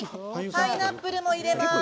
パイナップルも入れます。